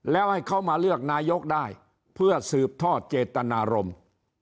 แล้วให้เขามาเลือกนายกได้เพื่อสืบทอดเจตนารมณ์